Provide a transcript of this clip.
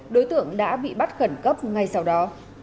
đối tượng đã bị bắt khẩn cấp ngay sau đó